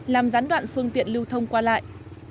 làm gián đoạn phương tiện lưu thông qua lại